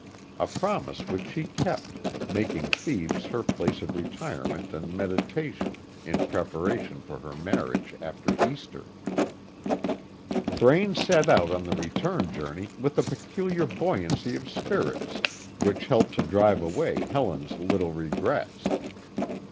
(A promise which she kept, making Thebes her place of retirement and meditation in preparation for her marriage after Easter.) Braine set out on the return journey with a peculiar buoyancy of spirits which helped to drive away Helen's little regrets.